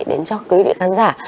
đến cho quý vị khán giả